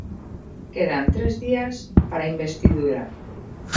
Quedan tres días para a investidura.